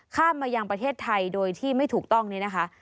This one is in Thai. มายังประเทศไทยโดยที่ไม่ถูกต้องนี้นะคะ